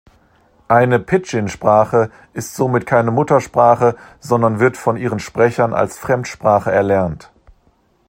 Eine Pidgin-Sprache ist somit keine Muttersprache, sondern wird von ihren Sprechern als Fremdsprache erlernt.